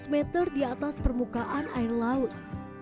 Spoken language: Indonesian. empat ratus meter di atas permukaan air laut